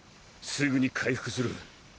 すぐに回復する。